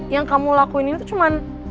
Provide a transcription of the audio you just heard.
yang kamu lakuin ini tuh cuma